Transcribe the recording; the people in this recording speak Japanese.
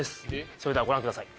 それではご覧ください